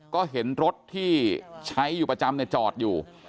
ก็เห็นรถที่ใช้อยู่ประจำจอดอยู่